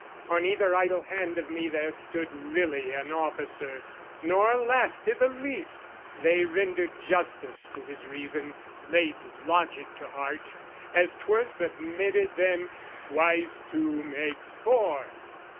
On either idle hand of me there stood Really an officer, nor laughed i' the least. They rendered justice to his reason, laid Logic to heart, as 'twere submitted them "Twice two makes four."